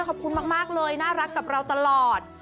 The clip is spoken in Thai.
ขอบคุณมากเลยน่ารักกับเราตลอด